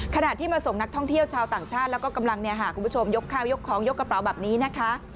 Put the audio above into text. ขณะที่มาส่งนักท่องเที่ยวชาวต่างชาติแล้วก็กำลังคุณผู้ชมยกข้าวยกของยกกระเป๋าแบบนี้นะคะ